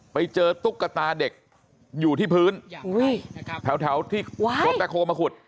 ตุ๊กตาเด็กอยู่ที่พื้นแถวที่รถแบ็คโฮลมาขุด